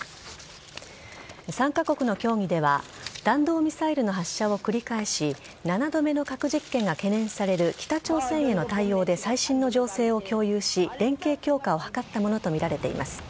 ３カ国の協議では弾道ミサイルの発射を繰り返し７度目の核実験が懸念される北朝鮮への対応で最新の情勢を共有し連携強化を図ったものとみられています。